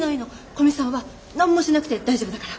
古見さんは何もしなくて大丈夫だから。